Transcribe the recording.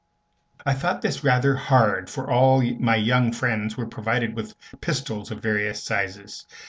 I thought this rather hard, for all my young friends were provided with pistols of various sizes.